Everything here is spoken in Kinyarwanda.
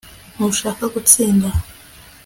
ntushaka gutsinda